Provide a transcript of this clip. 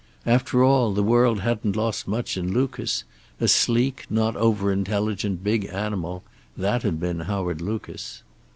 After all, the world hadn't lost much in Lucas; a sleek, not over intelligent big animal, that had been Howard Lucas.